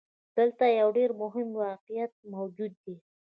دلته يو ډېر مهم واقعيت موجود دی.